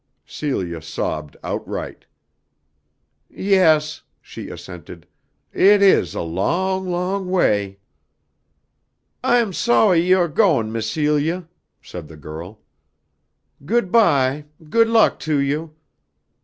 Celia sobbed outright. "Yes," she assented, "it is a long, long way!" "I am sawy you ah goin', Miss Celia," said the girl. "Good by. Good luck to you!"